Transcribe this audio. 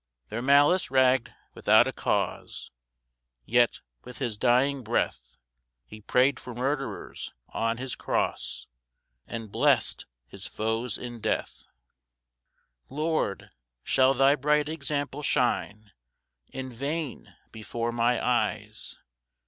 4 Their malice rag'd without a cause, Yet, with his dying breath, He pray'd for murderers on his cross, And blest his foes in death. 5 Lord, shall thy bright example shine In vain before my eyes?